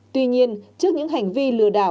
tuy nhiên trước những hành vi lửa